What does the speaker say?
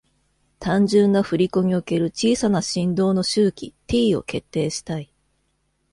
単純な振り子における小さな振動の周期「T」を決定したい。